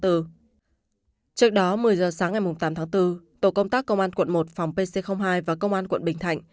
trước đó một mươi giờ sáng ngày tám tháng bốn tổ công tác công an quận một phòng pc hai và công an quận bình thạnh